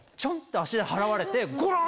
足で払われてコロン！